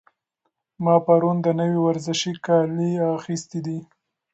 ما پرون د نوي ورزشي کالي اخیستي دي.